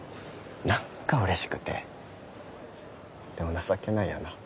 何か嬉しくてでも情けないよな